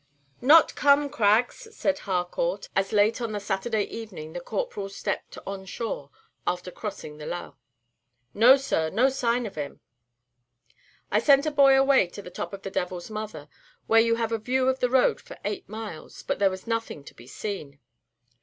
"Not come, Craggs!" said Harcourt, as late on the Saturday evening the Corporal stepped on shore, after crossing the lough. "No, sir, no sign of him. I sent a boy away to the top of 'the Devil's Mother,' where you have a view of the road for eight miles, but there was nothing to be seen."